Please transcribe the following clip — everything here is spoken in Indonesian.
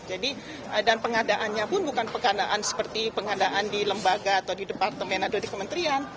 jadi dan pengadaannya pun bukan pengadaan seperti pengadaan di lembaga atau di departemen atau di kementerian